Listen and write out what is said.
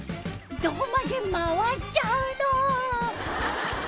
どこまで回っちゃうの？